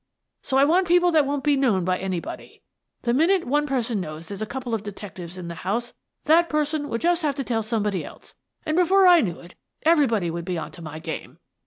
So I want people that won't be known by anybody. The minute one per son knows there's a couple of detectives in the house, that person would just have to tell somebody else, and, before I knew it, everybody would be on to my game.